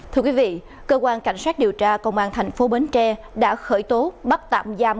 thưa quý vị cơ quan cảnh sát điều tra công an thành phố bến tre đã khởi tố bắt tạm giam